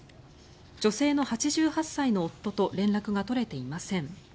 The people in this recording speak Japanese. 女性の８８歳の夫と連絡が取れていません。